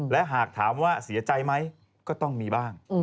และหากถามว่าเสียใจไหมก็ต้องมีบ้าง